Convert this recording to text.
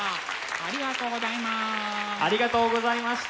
ありがとうございます。